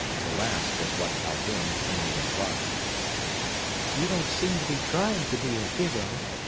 The last was what Calhoun plainly implied. "You don't seem to be trying to be a hero!"